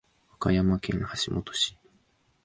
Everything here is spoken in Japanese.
和歌山県橋本市